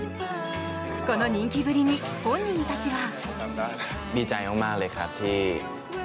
この人気ぶりに、本人たちは。